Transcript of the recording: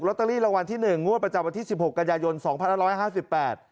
รอเตอรี่รวรรณที่๑งวดประจำวันที่๑๖กัญญาณยนต์๒๑๕๘